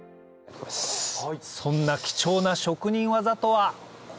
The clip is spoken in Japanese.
そんな貴重な職人技とは？